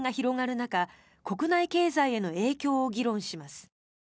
中国内経済への影響を議論します。